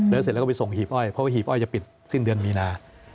แล้วเสร็จแล้วก็ไปส่งหีบอ้อยเพราะว่าหีบอ้อยจะปิดสิ้นเดือนมีนา